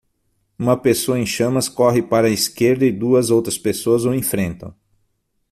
Uma pessoa em chamas corre para a esquerda e duas outras pessoas o enfrentam.